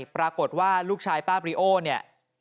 ปรากฏว่าลูกชายป้าบริโอเนี่ย